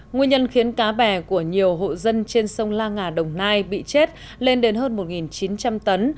nguyên nhân khiến cá bè của nhiều hộ dân trên sông la ngà đồng nai bị chết lên đến hơn một chín trăm linh tấn